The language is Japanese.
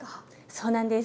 そうなんです。